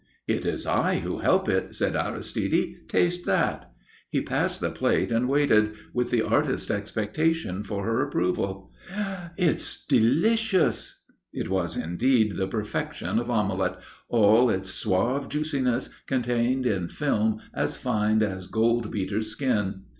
"It is I who help it," said Aristide. "Taste that." He passed the plate and waited, with the artist's expectation for her approval. "It's delicious." It was indeed the perfection of omelette, all its suave juiciness contained in film as fine as goldbeater's skin.